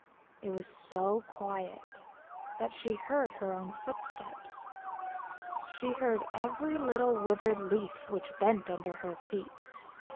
It was so quiet that she heard her own footsteps, she heard every little withered leaf which bent under her feet.